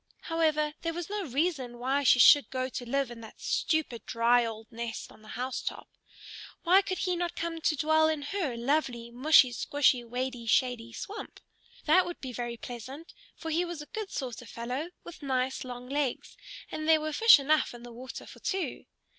However, there was no reason why she should go to live in that stupid, dry, old nest on the house top. Why could he not come to dwell in her lovely, mushy squshy, wady shady swamp? That would be very pleasant, for he was a good sort of fellow with nice long legs; and there were fish enough in the water for two.